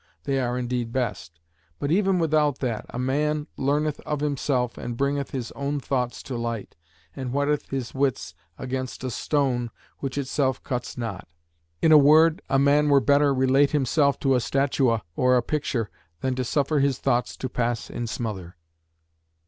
(They are, indeed, best.) But even without that, a man learneth of himself, and bringeth his own thoughts to light, and whetteth his wits against a stone which itself cuts not. In a word, a man were better relate himself to a statua or a picture, than to suffer his thoughts to pass in smother."